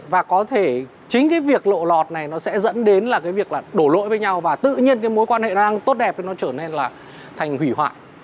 và có thể chính cái việc lộ lọt này nó sẽ dẫn đến là cái việc là đổ lỗi với nhau và tự nhiên cái mối quan hệ đang tốt đẹp nó trở nên là thành hủy hoại